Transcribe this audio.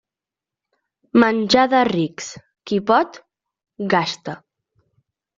Menjar de rics; qui pot, gasta.